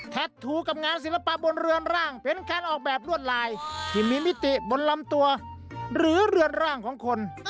ถูกกับงานศิลปะบนเรือนร่างเป็นการออกแบบลวดลายที่มีมิติบนลำตัวหรือเรือนร่างของคน